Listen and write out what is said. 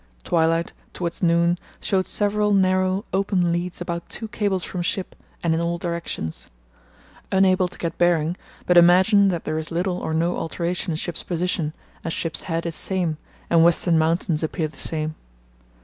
Twilight towards noon showed several narrow, open leads about two cables from ship and in all directions. Unable to get bearing, but imagine that there is little or no alteration in ship's position, as ship's head is same, and Western Mountains appear the same....